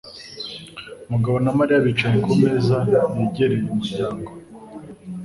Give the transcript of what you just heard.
Mugabo na Mariya bicaye ku meza yegereye umuryango.